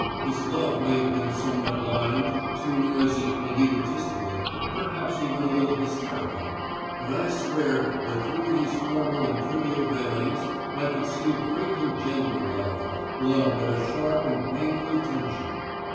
His love may have been somewhat blind, too noisy, and egotistical, perhaps even a little hysterical, but I swear that through these formal and trivial veilings I could see a great and genuine love love at a sharp and painful tension.